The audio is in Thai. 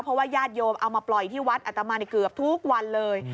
เพราะว่าญาติโยมเอามาปล่อยที่วัดอัตมาในเกือบทุกวันเลย